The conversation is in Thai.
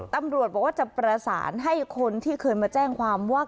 ตำรวจบอกว่าจะประสานให้คนที่เคยมาแจ้งความว่า